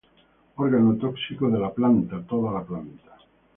Órgano tóxico de la planta: toda la planta.